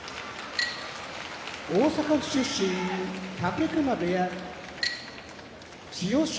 大阪府出身武隈部屋千代翔